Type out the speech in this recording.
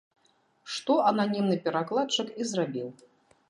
Што ананімны перакладчык і зрабіў.